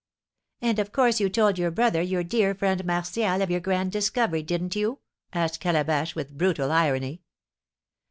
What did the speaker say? "And, of course, you told your brother, your dear friend Martial, of your grand discovery, didn't you?" asked Calabash, with brutal irony.